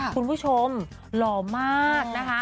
คุณผู้ชมหล่อมากนะคะ